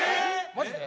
マジで？